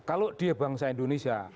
kalau dia bangsa indonesia